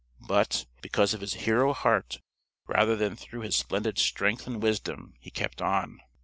But, because of his hero heart rather than through his splendid strength and wisdom, he kept on.